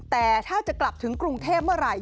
แต่ถ้าจะกลับถึงกรุงเทพเมื่อไหร่